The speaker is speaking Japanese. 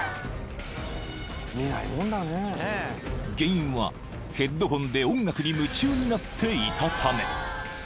［原因はヘッドホンで音楽に夢中になっていたため］